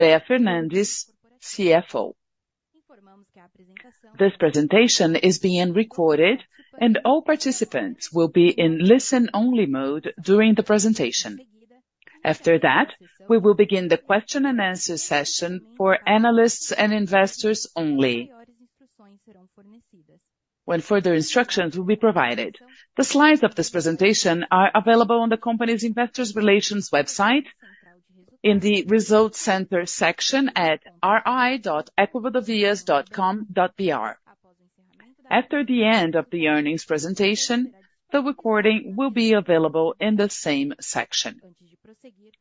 Andrea Fernandes, CFO. This presentation is being recorded, and all participants will be in listen-only mode during the presentation. After that, we will begin the question and answer session for analysts and investors only, when further instructions will be provided. The slides of this presentation are available on the company's Investor Relations website in the Results Center section at ri.ecorodovias.com.br. After the end of the earnings presentation, the recording will be available in the same section.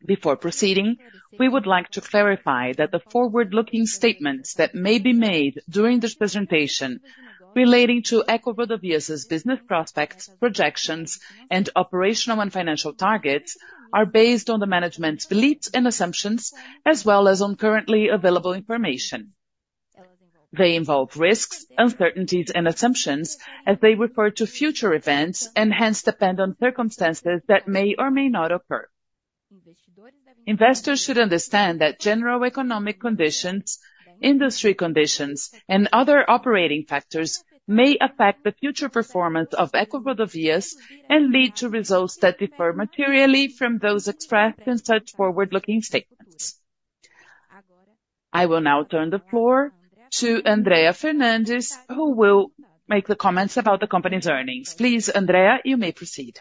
Before proceeding, we would like to clarify that the forward-looking statements that may be made during this presentation relating to EcoRodovias' business prospects, projections, and operational and financial targets, are based on the management's beliefs and assumptions, as well as on currently available information. They involve risks, uncertainties, and assumptions as they refer to future events, and hence depend on circumstances that may or may not occur. Investors should understand that general economic conditions, industry conditions, and other operating factors may affect the future performance of EcoRodovias and lead to results that differ materially from those expressed in such forward-looking statements. I will now turn the floor to Andrea Fernandes, who will make the comments about the company's earnings. Please, Andrea, you may proceed.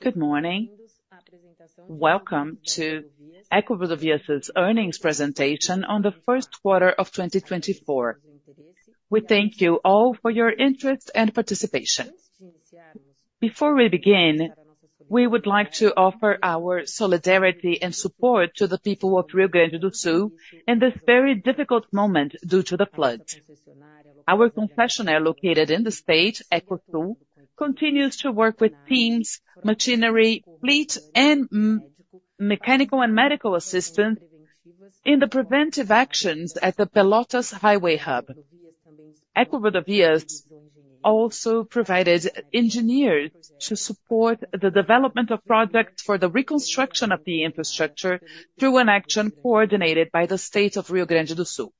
Good morning. Welcome to EcoRodovias' earnings presentation on the first quarter of 2024. We thank you all for your interest and participation. Before we begin, we would like to offer our solidarity and support to the people of Rio Grande do Sul in this very difficult moment due to the floods. Our concessionaire, located in the state, Ecosul, continues to work with teams, machinery, fleet, and mechanical and medical assistants in the preventive actions at the Pelotas highway hub. EcoRodovias also provided engineers to support the development of projects for the reconstruction of the infrastructure through an action coordinated by the state of Rio Grande do Sul.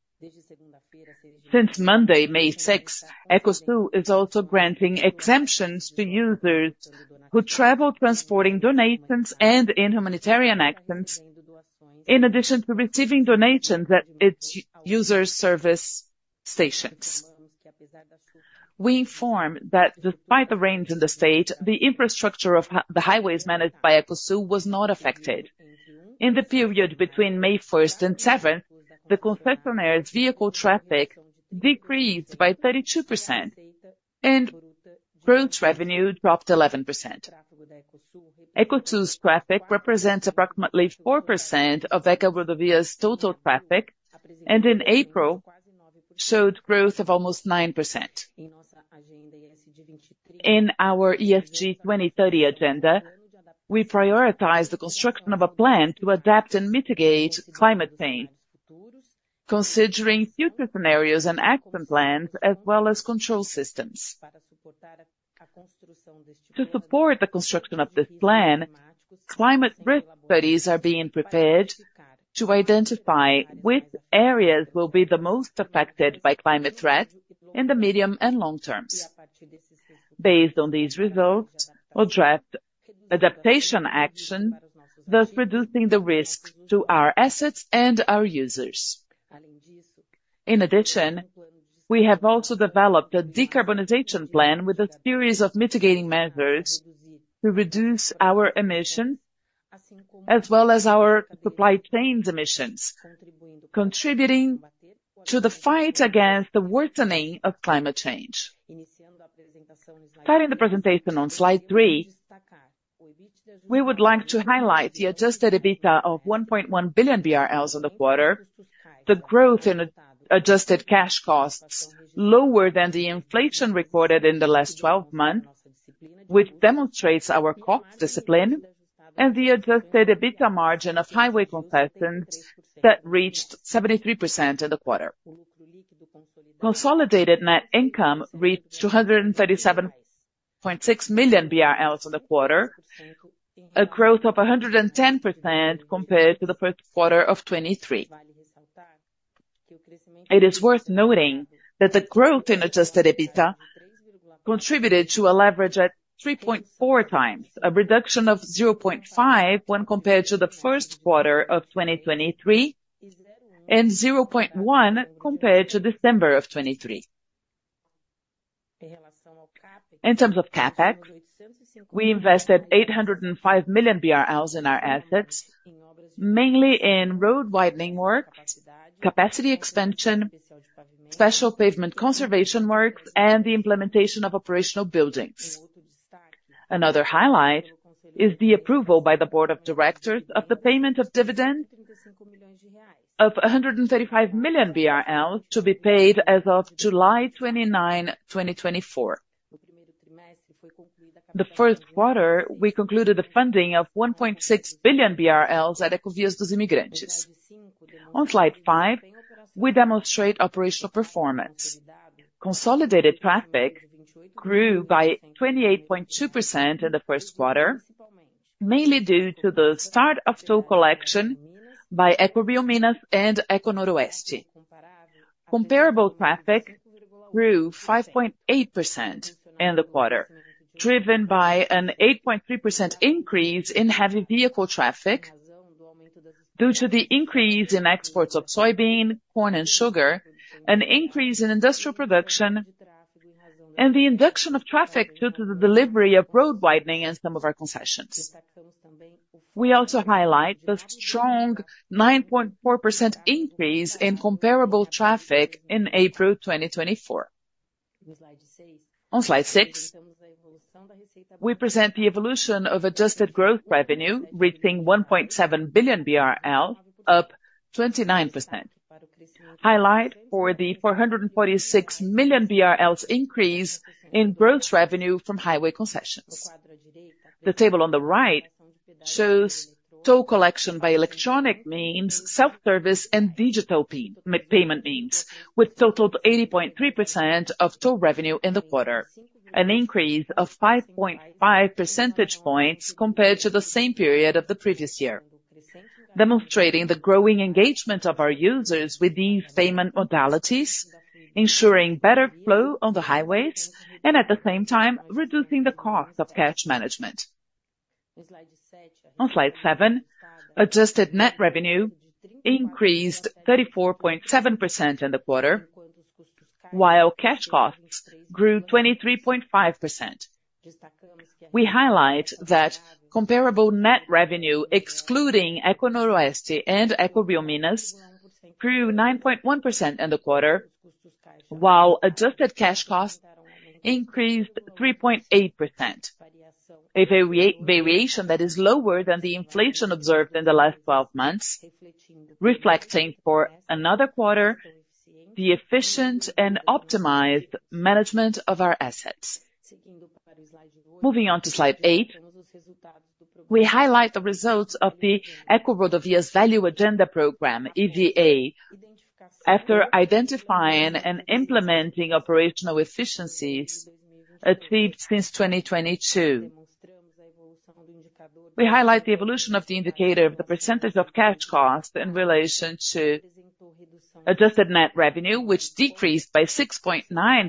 Since Monday, May 6th, Ecosul is also granting exemptions to users who travel transporting donations and in humanitarian actions, in addition to receiving donations at its user service stations. We inform that despite the rains in the state, the infrastructure of the highways managed by Ecosul was not affected. In the period between May 1st and 7th, the concessionaire's vehicle traffic decreased by 32%, and gross revenue dropped 11%. Ecosul's traffic represents approximately 4% of EcoRodovias' total traffic, and in April, showed growth of almost 9%. In our ESG 2030 agenda, we prioritize the construction of a plan to adapt and mitigate climate change, considering future scenarios and action plans as well as control systems. To support the construction of this plan, climate risk studies are being prepared to identify which areas will be the most affected by climate threat in the medium and long terms. Based on these results, we'll draft adaptation action, thus reducing the risk to our assets and our users. In addition, we have also developed a decarbonization plan with a series of mitigating measures to reduce our emissions, as well as our supply chains' emissions, contributing to the fight against the worsening of climate change. Starting the presentation on slide three, we would like to highlight the adjusted EBITDA of 1.1 billion BRL in the quarter, the growth in adjusted cash costs lower than the inflation recorded in the last twelve months, which demonstrates our cost discipline, and the adjusted EBITDA margin of highway concession that reached 73% in the quarter. Consolidated net income reached 237.6 million BRL in the quarter, a growth of 110% compared to the first quarter of 2023. It is worth noting that the growth in adjusted EBITDA contributed to a leverage at 3.4x, a reduction of 0.5x when compared to the first quarter of 2023, and 0.1x compared to December of 2023. In terms of CapEx, we invested 805 million BRL in our assets, mainly in road widening work, capacity expansion, special pavement conservation works, and the implementation of operational buildings. Another highlight is the approval by the board of directors of the payment of dividend of 135 million BRL, to be paid as of July 29, 2024. The first quarter, we concluded the funding of 1.6 billion BRL at Ecovias dos Imigrantes. On slide five, we demonstrate operational performance. Consolidated traffic grew by 28.2% in the first quarter, mainly due to the start of toll collection by EcoRioMinas and EcoNoroeste. Comparable traffic grew 5.8% in the quarter, driven by an 8.3% increase in heavy vehicle traffic due to the increase in exports of soybean, corn, and sugar, an increase in industrial production, and the induction of traffic due to the delivery of road widening in some of our concessions. We also highlight the strong 9.4% increase in comparable traffic in April 2024. On slide six, we present the evolution of adjusted growth revenue, reaching 1.7 billion BRL, up 29%. Highlight for the 446 million BRL increase in gross revenue from highway concessions. The table on the right shows toll collection by electronic means, self-service, and digital payment means, which totaled 80.3% of toll revenue in the quarter, an increase of 5.5 percentage points compared to the same period of the previous year, demonstrating the growing engagement of our users with these payment modalities, ensuring better flow on the highways and, at the same time, reducing the cost of cash management. On slide seven, adjusted net revenue increased 34.7% in the quarter, while cash costs grew 23.5%. We highlight that comparable net revenue, excluding EcoNoroeste and EcoRioMinas, grew 9.1% in the quarter, while adjusted cash costs increased 3.8%, a variation that is lower than the inflation observed in the last twelve months, reflecting for another quarter, the efficient and optimized management of our assets. Moving on to slide eight, we highlight the results of the EcoRodovias Value Agenda program, EVA, after identifying and implementing operational efficiencies achieved since 2022. We highlight the evolution of the indicator of the percentage of cash costs in relation to adjusted net revenue, which decreased by 6.9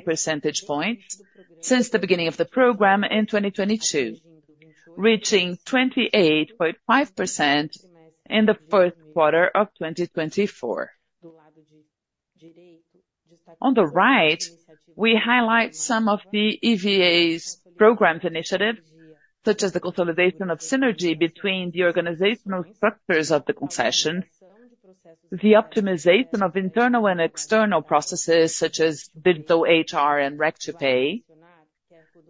percentage points since the beginning of the program in 2022, reaching 28.5% in the fourth quarter of 2024. On the right, we highlight some of the EVA's programs initiative, such as the consolidation of synergy between the organizational structures of the concession, the optimization of internal and external processes such as digital HR and Req-to-Pay.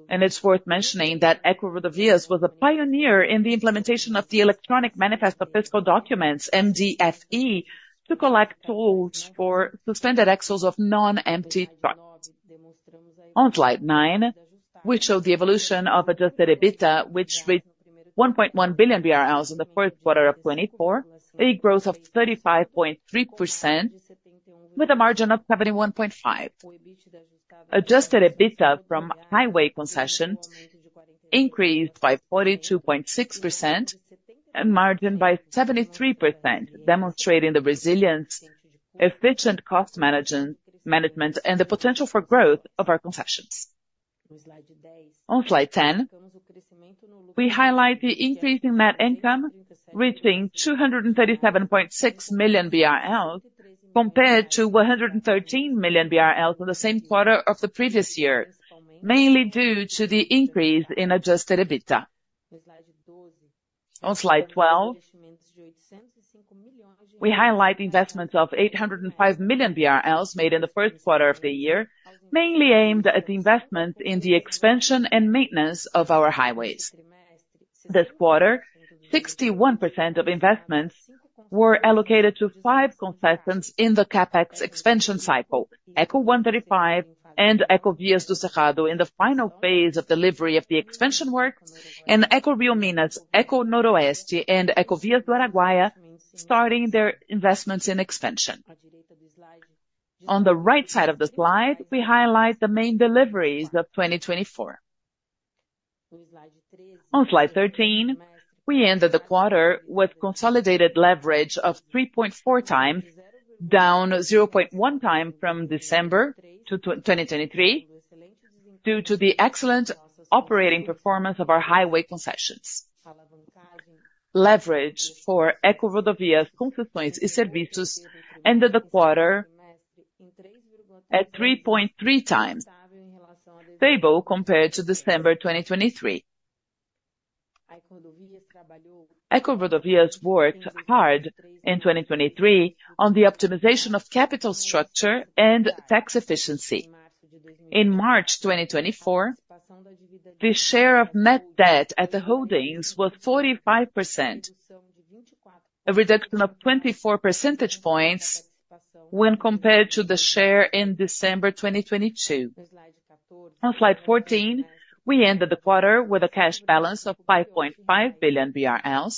And it's worth mentioning that EcoRodovias was a pioneer in the implementation of the electronic manifesto of fiscal documents, MDFe, to collect tolls for suspended axles of non-empty trucks. On slide nine, we show the evolution of adjusted EBITDA, which reached 1.1 billion BRL in the fourth quarter of 2024, a growth of 35.3% with a margin of 71.5%. Adjusted EBITDA from highway concessions increased by 42.6% and margin by 73%, demonstrating the resilient, efficient cost management, and the potential for growth of our concessions. On slide 10, we highlight the increase in net income, reaching 237.6 million BRL, compared to 113 million BRL for the same quarter of the previous year, mainly due to the increase in adjusted EBITDA. On slide 12, we highlight investments of 805 million BRL made in the first quarter of the year, mainly aimed at investments in the expansion and maintenance of our highways. This quarter, 61% of investments were allocated to five concessions in the CapEx expansion cycle: Eco135 and Ecovias do Cerrado in the final phase of delivery of the expansion works, and EcoRioMinas, EcoNoroeste, and Ecovias do Araguaia, starting their investments in expansion. On the right side of the slide, we highlight the main deliveries of 2024. On slide 13, we ended the quarter with consolidated leverage of 3.4x, down 0.1xfrom December 2023, due to the excellent operating performance of our highway concessions. Leverage for EcoRodovias Concessões e Serviços ended the quarter at 3.3x, stable compared to December 2023. EcoRodovias worked hard in 2023 on the optimization of capital structure and tax efficiency. In March 2024, the share of net debt at the holdings was 45%, a reduction of 24 percentage points when compared to the share in December 2022. On slide 14, we ended the quarter with a cash balance of 5.5 billion BRL.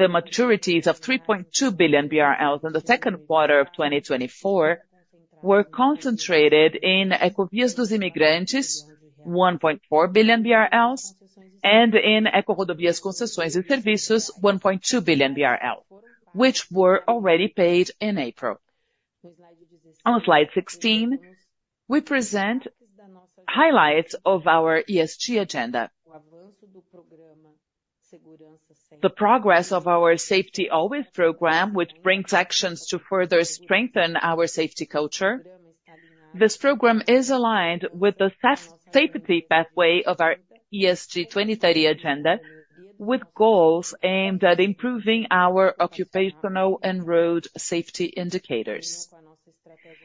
The maturities of 3.2 billion BRL in the second quarter of 2024 were concentrated in Ecovias dos Imigrantes, 1.4 billion BRL, and in EcoRodovias Concessões e Serviços, 1.2 billion BRL, which were already paid in April. On slide 16, we present highlights of our ESG agenda. The progress of our Safety Always program, which brings actions to further strengthen our safety culture. This program is aligned with the safety pathway of our ESG 2030 agenda, with goals aimed at improving our occupational and road safety indicators.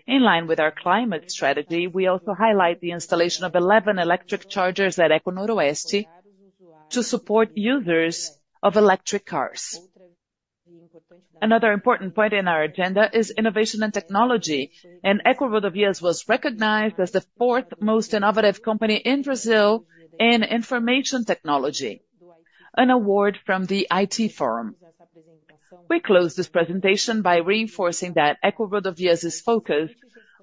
In line with our climate strategy, we also highlight the installation of 11 electric chargers at EcoNoroeste to support users of electric cars. Another important point in our agenda is innovation and technology, and EcoRodovias was recognized as the fourth most innovative company in Brazil in information technology, an award from the IT firm. We close this presentation by reinforcing that EcoRodovias is focused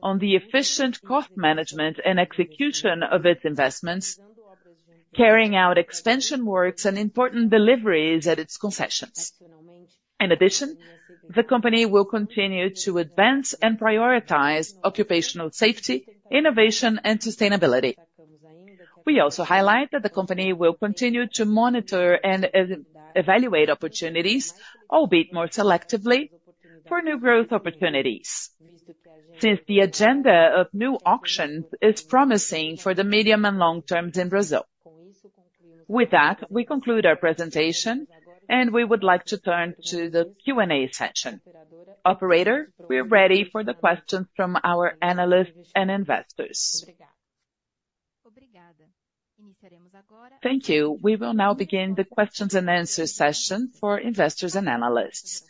on the efficient cost management and execution of its investments, carrying out expansion works and important deliveries at its concessions. In addition, the company will continue to advance and prioritize occupational safety, innovation and sustainability. We also highlight that the company will continue to monitor and evaluate opportunities, albeit more selectively, for new growth opportunities, since the agenda of new auctions is promising for the medium and long term in Brazil. With that, we conclude our presentation, and we would like to turn to the Q&A session. Operator, we are ready for the questions from our analysts and investors. Thank you. We will now begin the questions and answers session for investors and analysts.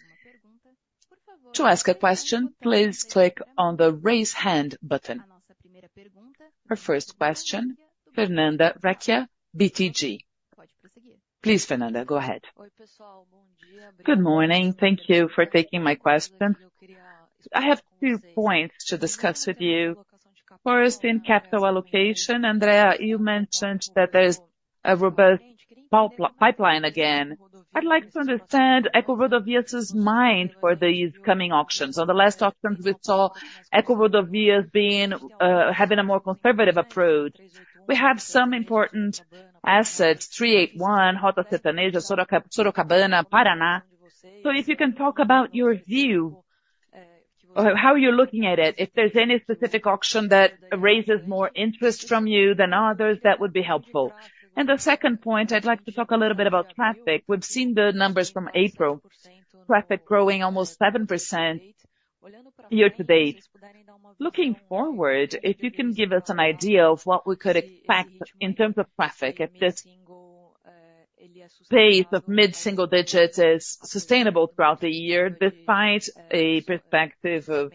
To ask a question, please click on the Raise Hand button. Our first question, Fernanda Recchia, BTG. Please, Fernanda, go ahead. Good morning. Thank you for taking my question. I have two points to discuss with you. First, in capital allocation, Andrea, you mentioned that there's a robust pipeline again. I'd like to understand, EcoRodovias' mind for these coming auctions. On the last auctions, we saw EcoRodovias being, having a more conservative approach. We have some important assets, BR-381, Rota Sorocabana, Paraná. So if you can talk about your view, how you're looking at it, if there's any specific auction that raises more interest from you than others, that would be helpful. And the second point, I'd like to talk a little bit about traffic. We've seen the numbers from April, traffic growing almost 7% year to date. Looking forward, if you can give us an idea of what we could expect in terms of traffic, if this pace of mid-single digit is sustainable throughout the year, despite a perspective of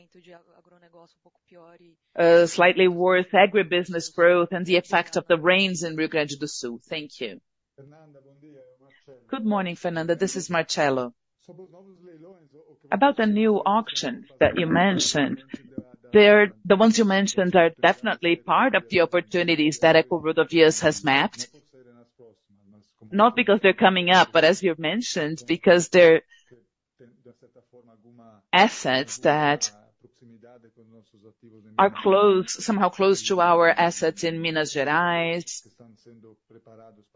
slightly worse agribusiness growth and the effect of the rains in Rio Grande do Sul. Thank you. Good morning, Fernanda. This is Marcello. About the new auction that you mentioned, they're the ones you mentioned are definitely part of the opportunities that EcoRodovias has mapped, not because they're coming up, but as you have mentioned, because they're assets that are close, somehow close to our assets in Minas Gerais,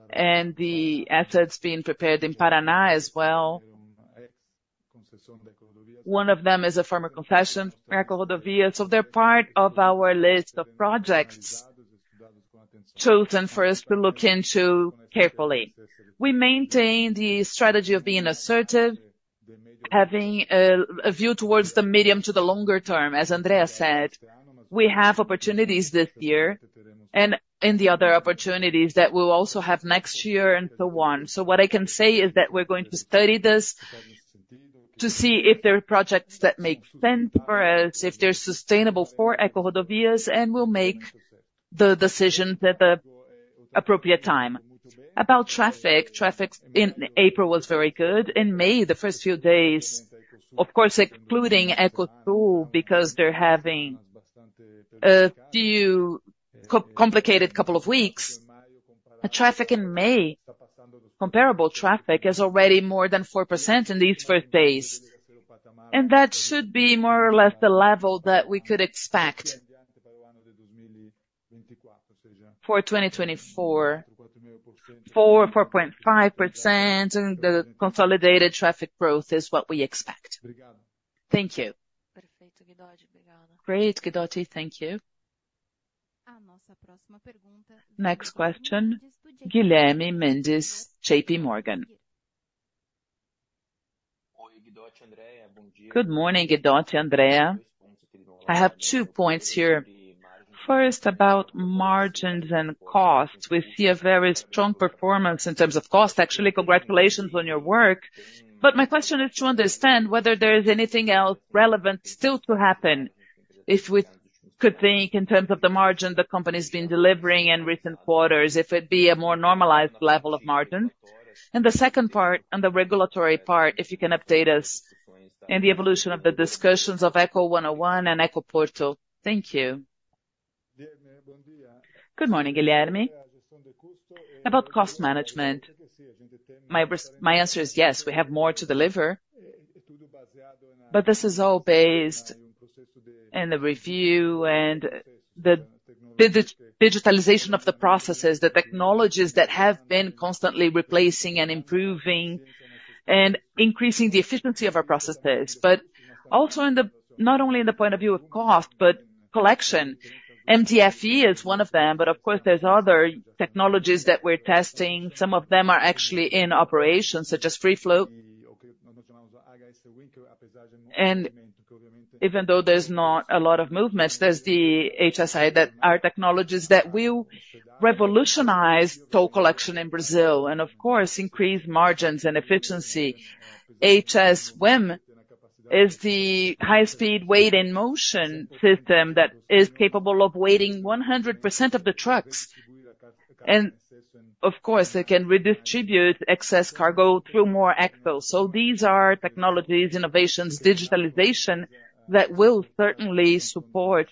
and the assets being prepared in Paraná as well. One of them is a former concession, EcoRodovias, so they're part of our list of projects chosen for us to look into carefully. We maintain the strategy of being assertive, having a view towards the medium to the longer term. As Andrea said, we have opportunities this year and the other opportunities that we'll also have next year and so on. So what I can say is that we're going to study this to see if there are projects that make sense for us, if they're sustainable for EcoRodovias, and we'll make the decision at the appropriate time. About traffic, traffic in April was very good. In May, the first few days, of course, including Ecosul, because they're having a few complicated couple of weeks. The traffic in May, comparable traffic, is already more than 4% in these first days, and that should be more or less the level that we could expect. For 2024, 4.45% in the consolidated traffic growth is what we expect. Thank you. Great, Guidotti. Thank you. Next question, Guilherme Mendes, JPMorgan. Good morning, Guidotti, Andrea. I have two points here. First, about margins and costs. We see a very strong performance in terms of cost. Actually, congratulations on your work. But my question is to understand whether there is anything else relevant still to happen. If could think in terms of the margin the company's been delivering in recent quarters, if it'd be a more normalized level of margin? And the second part, on the regulatory part, if you can update us in the evolution of the discussions of Eco101 and Ecoporto. Thank you. Good morning, Guilherme. About cost management, my answer is yes, we have more to deliver, but this is all based in the review and the digitalization of the processes, the technologies that have been constantly replacing and improving and increasing the efficiency of our processes. But also in the—not only in the point of view of cost, but collection. MDFe is one of them, but of course, there's other technologies that we're testing. Some of them are actually in operation, such as Free Flow. And even though there's not a lot of movements, there's the HS-WIM, that are technologies that will revolutionize toll collection in Brazil, and of course, increase margins and efficiency. HS-WIM is the high speed weight in motion system that is capable of weighing 100% of the trucks, and of course, they can redistribute excess cargo through more axles. So these are technologies, innovations, digitalization, that will certainly support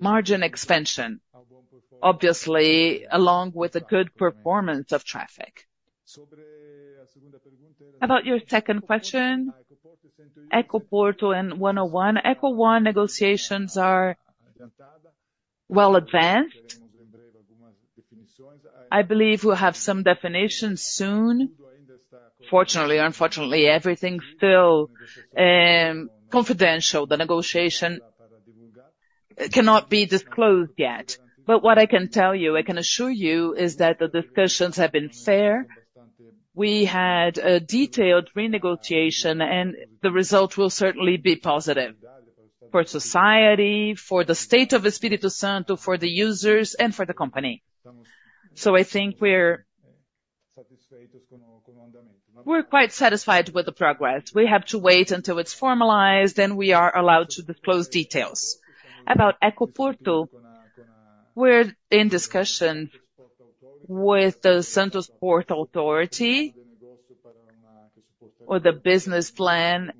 margin expansion, obviously, along with the good performance of traffic. About your second question, Ecoporto and Eco101. Eco101, negotiations are well advanced. I believe we'll have some definitions soon. Fortunately or unfortunately, everything's still confidential. The negotiation cannot be disclosed yet. But what I can tell you, I can assure you, is that the discussions have been fair. We had a detailed renegotiation, and the result will certainly be positive for society, for the state of Espírito Santo, for the users, and for the company. So I think we're, we're quite satisfied with the progress. We have to wait until it's formalized, and we are allowed to disclose details. About Ecoporto, we're in discussion with the Santos Port Authority or the business plan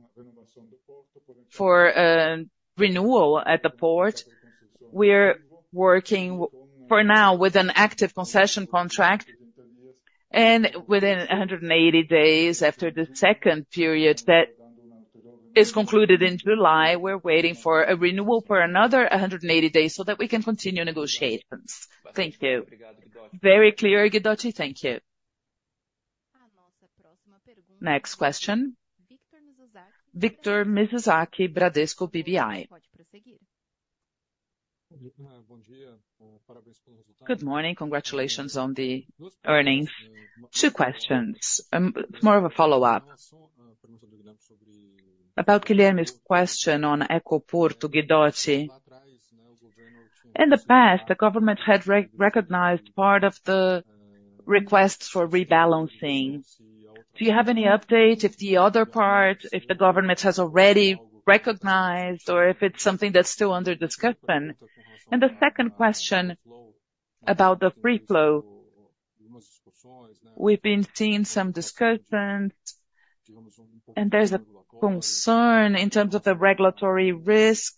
for renewal at the port. We're working for now with an active concession contract, and within 180 days after the second period that is concluded in July, we're waiting for a renewal for another 180 days so that we can continue negotiations. Thank you. Very clear, Guidotti. Thank you. Next question, Victor Mizusaki, Bradesco BBI. Good morning. Congratulations on the earnings. Two questions, more of a follow-up. About Guilherme's question on Ecoporto, Guidotti, in the past, the government had re-recognized part of the requests for rebalancing. Do you have any update if the other part, if the government has already recognized or if it's something that's still under discussion? And the second question, about the Free Flow. We've been seeing some discussions, and there's a concern in terms of the regulatory risk,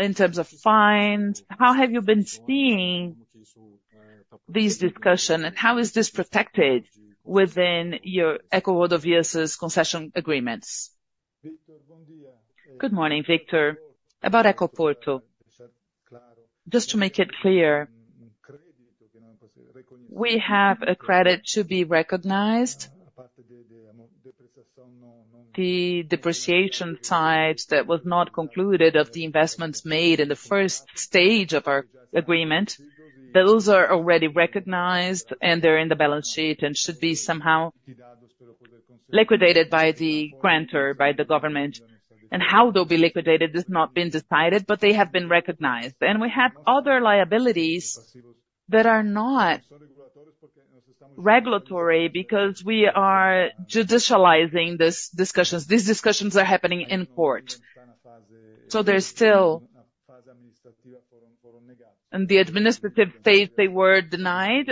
in terms of fines. How have you been seeing this discussion, and how is this protected within your EcoRodovias' concession agreements? Good morning, Victor. About Ecoporto, just to make it clear, we have a credit to be recognized. The depreciation types that was not concluded of the investments made in the first stage of our agreement, those are already recognized, and they're in the balance sheet and should be somehow liquidated by the grantor, by the government. How they'll be liquidated has not been decided, but they have been recognized. We have other liabilities that are not regulatory, because we are judicializing these discussions. These discussions are happening in court, so there's still... In the administrative phase, they were denied.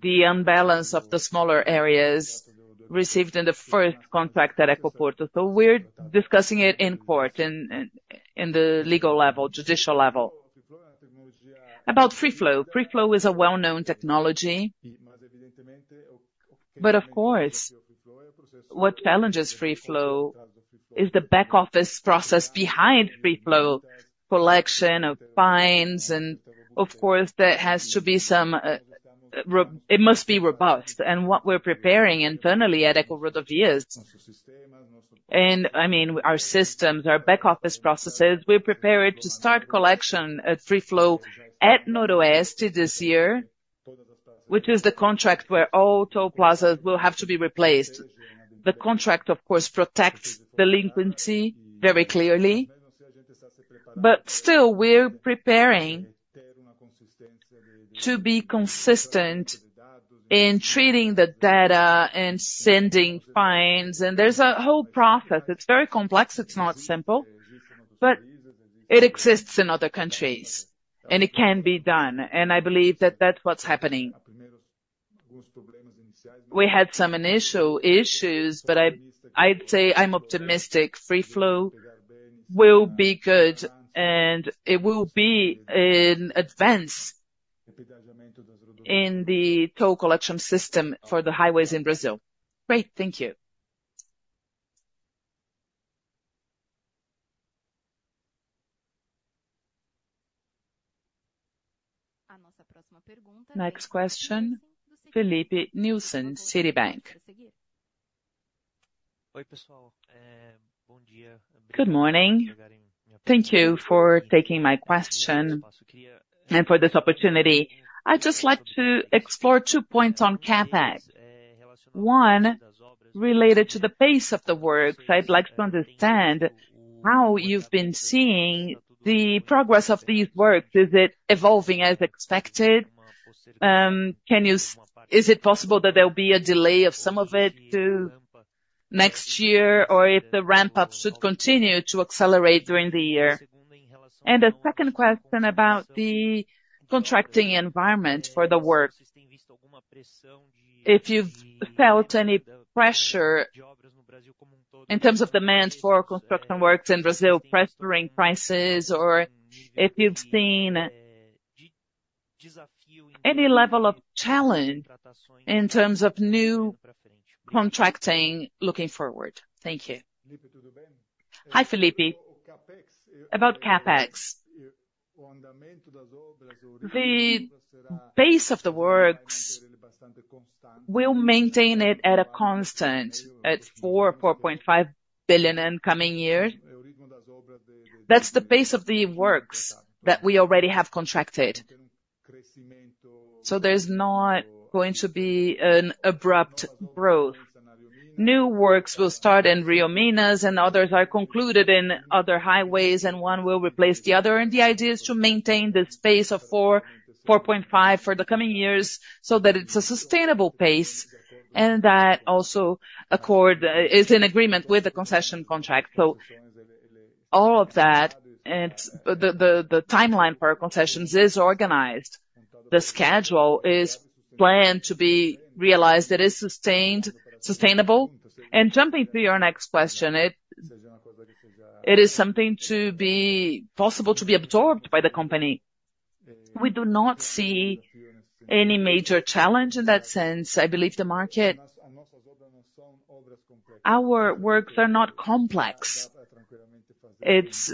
The imbalance of the smaller areas received in the first contract at Ecoporto. We're discussing it in court, in the legal level, judicial level. About Free Flow, Free Flow is a well-known technology, but of course, what challenges Free Flow is the back office process behind Free Flow, collection of fines, and of course, there has to be some it must be robust. And what we're preparing internally at EcoRodovias, and, I mean, our systems, our back office processes, we're prepared to start collection at Free Flow at EcoNoroeste this year, which is the contract where all toll plazas will have to be replaced. The contract, of course, protects delinquency very clearly, but still, we're preparing to be consistent in treating the data and sending fines, and there's a whole process. It's very complex, it's not simple, but it exists in other countries, and it can be done, and I believe that that's what's happening. We had some initial issues, but I'd say I'm optimistic. Free Flow will be good, and it will be an advance in the toll collection system for the highways in Brazil. Great. Thank you. Next question, Filipe Nielsen, Citibank. Good morning. Thank you for taking my question and for this opportunity. I'd just like to explore two points on CapEx. One, related to the pace of the works, I'd like to understand how you've been seeing the progress of these works. Is it evolving as expected? Is it possible that there'll be a delay of some of it to next year, or if the ramp-up should continue to accelerate during the year? And the second question about the contracting environment for the work, if you've felt any pressure in terms of demands for construction works in Brazil, pressuring prices, or if you've seen any level of challenge in terms of new contracting looking forward? Thank you. Hi, Filipe. About CapEx, the pace of the works, we'll maintain it at a constant, at 4 billion-4.5 billion in coming year. That's the pace of the works that we already have contracted, so there's not going to be an abrupt growth. New works will start in Rio Minas, and others are concluded in other highways, and one will replace the other. And the idea is to maintain this pace of 4-4.5 for the coming years, so that it's a sustainable pace, and that also accord is in agreement with the concession contract. So all of that, and the timeline for our concessions is organized. The schedule is planned to be realized, it is sustained, sustainable. And jumping to your next question, it is something to be possible to be absorbed by the company. We do not see any major challenge in that sense. I believe the market, our works are not complex. It's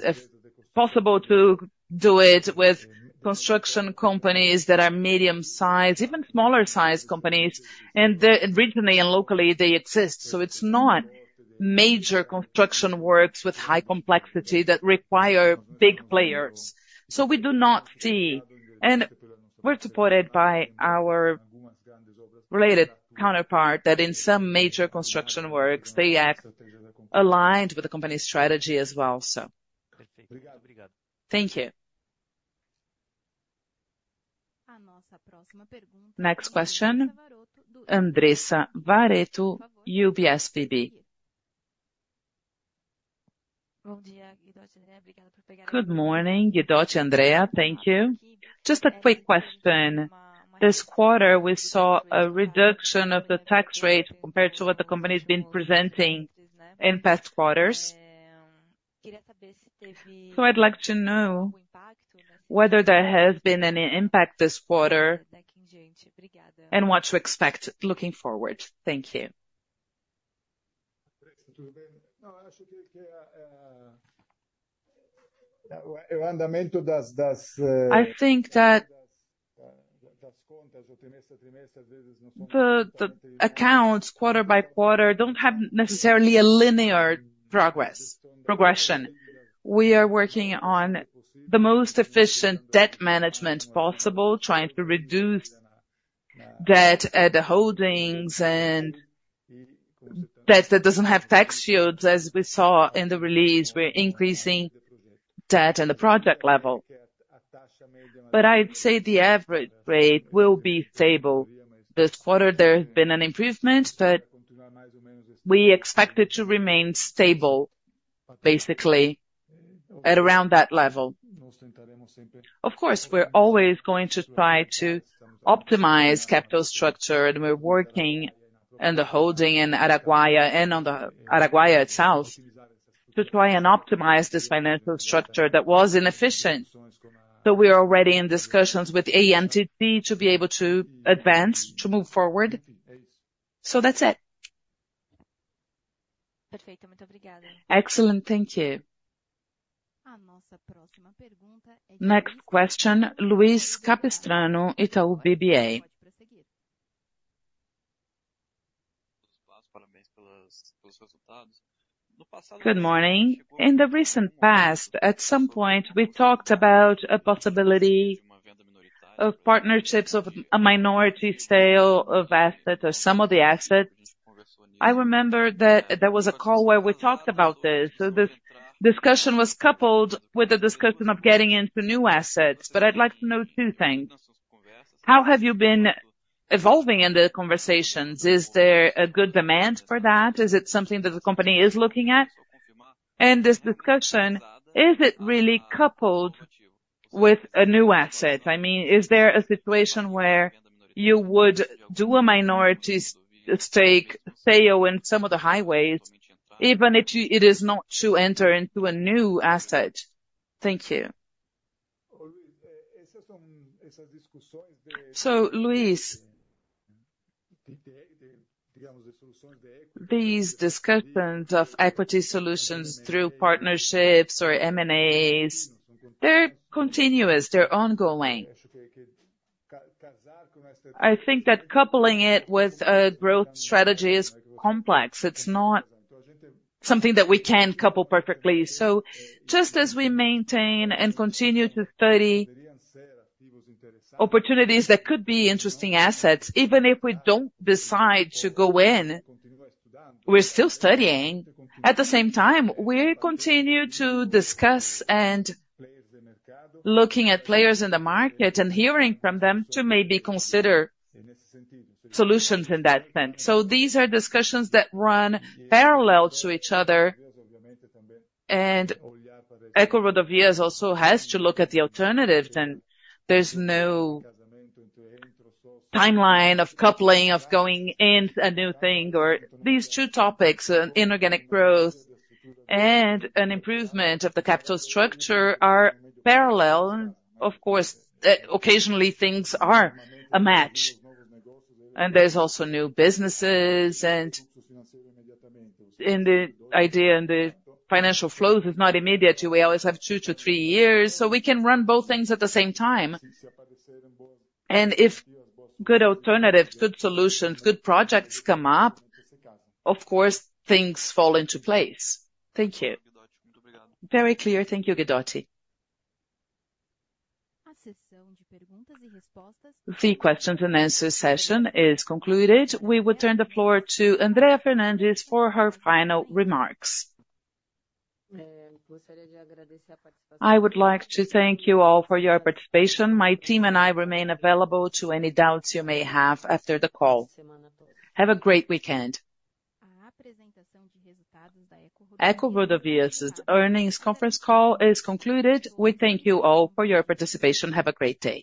possible to do it with construction companies that are medium-sized, even smaller-sized companies, and regionally and locally, they exist. So it's not major construction works with high complexity that require big players. So we do not see, and we're supported by our related counterpart, that in some major construction works, they act aligned with the company's strategy as well, so. Thank you. Next question, Andressa Varotto, UBS BB. Good morning, Guidotti, Andrea. Thank you. Just a quick question. This quarter, we saw a reduction of the tax rate compared to what the company's been presenting in past quarters. So I'd like to know whether there has been any impact this quarter, and what to expect looking forward. Thank you. I think that the accounts, quarter by quarter, don't have necessarily a linear progression. We are working on the most efficient debt management possible, trying to reduce debt at the holdings and debt that doesn't have tax shields. As we saw in the release, we're increasing debt in the project level. But I'd say the average rate will be stable. This quarter there has been an improvement, but we expect it to remain stable, basically, at around that level. Of course, we're always going to try to optimize capital structure, and we're working in the holding in Araguaia and on the Araguaia itself, to try and optimize this financial structure that was inefficient. So we are already in discussions with ANTT to be able to advance, to move forward. So that's it. Excellent. Thank you. Next question, Luiz Capistrano, Itaú BBA. Good morning. In the recent past, at some point, we talked about a possibility of partnerships of a minority sale of assets or some of the assets. I remember that there was a call where we talked about this. So this discussion was coupled with the discussion of getting into new assets, but I'd like to know two things: How have you been evolving in the conversations? Is there a good demand for that? Is it something that the company is looking at? And this discussion, is it really coupled with a new asset? I mean, is there a situation where you would do a minority stake sale in some of the highways, even if it is not to enter into a new asset? Thank you. So, Luiz, these discussions of equity solutions through partnerships or M&As, they're continuous, they're ongoing. I think that coupling it with a growth strategy is complex. It's not something that we can couple perfectly. So just as we maintain and continue to study opportunities that could be interesting assets, even if we don't decide to go in, we're still studying. At the same time, we continue to discuss and looking at players in the market and hearing from them to maybe consider solutions in that sense. So these are discussions that run parallel to each other, and EcoRodovias also has to look at the alternatives, and there's no timeline of coupling, of going in a new thing, or... These two topics, inorganic growth and an improvement of the capital structure, are parallel. Of course, occasionally, things are a match, and there's also new businesses, and the idea and the financial flows is not immediate. We always have 2-3 years, so we can run both things at the same time. And if good alternatives, good solutions, good projects come up, of course, things fall into place. Thank you. Very clear. Thank you, Guidotti. The question and answer session is concluded. We will turn the floor to Andrea Fernandes for her final remarks. I would like to thank you all for your participation. My team and I remain available to any doubts you may have after the call. Have a great weekend. EcoRodovias' earnings conference call is concluded. We thank you all for your participation. Have a great day.